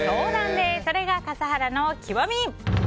それが笠原の極み！